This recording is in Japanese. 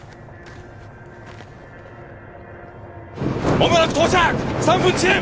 間もなく到着３分遅延！